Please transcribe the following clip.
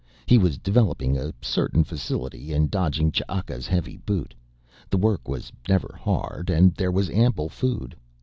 He was developing a certain facility in dodging Ch'aka's heavy boot, the work was never hard and there was ample food.